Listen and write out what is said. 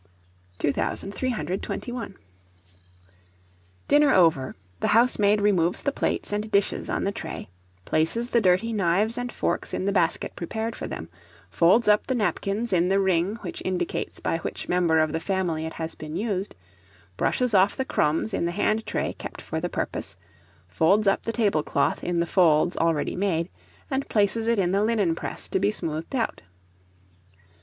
[Illustration: CRUMB BRUSH]. 2321. Dinner over, the housemaid removes the plates and dishes on the tray, places the dirty knives and forks in the basket prepared for them, folds up the napkins in the ring which indicates by which member of the family it has been used, brushes off the crumbs on the hand tray kept for the purpose, folds up the table cloth in the folds already made, and places it in the linen press to be smoothed out.